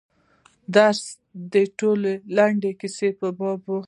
درس ټول د لنډې کیسې په باب و.